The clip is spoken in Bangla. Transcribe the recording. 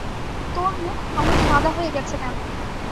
তোর মুখ অমন সাদা হয়ে গেছে কেন?